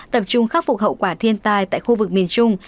tập trung khắc phục hậu quả thiên tai tại khu vực miền trung